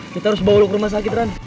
kita harus bawa lu ke rumah sakit ran